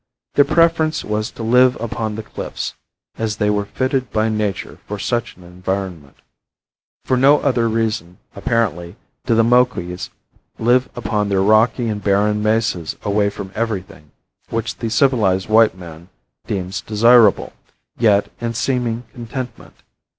Their preference was to live upon the cliffs, as they were fitted by nature for such an environment. For no other reason, apparently, do the Moquis live upon their rocky and barren mesas away from everything which the civilized white man deems desirable, yet, in seeming contentment.